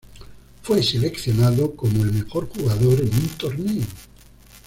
Fue seleccionado como el mejor jugador en un torneo.